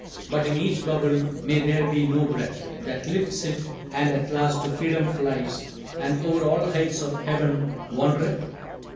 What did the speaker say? But, in each bubble, may there be no Breath That lifts it and at last to Freedom flies, And o'er all heights of Heaven wandereth?"